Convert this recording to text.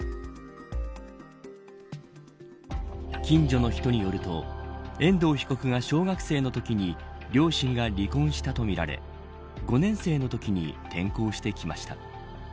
近所の人によると遠藤被告が小学生のときに両親が離婚したとみられ５年生のときに転校してきました。